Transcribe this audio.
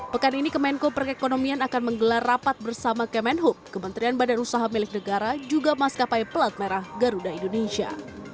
pekan ini kemenko perekonomian akan menggelar rapat bersama kemenhub kementerian badan usaha milik negara juga maskapai pelat merah garuda indonesia